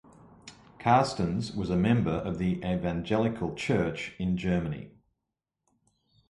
Carstens was a member of the Evangelical Church in Germany.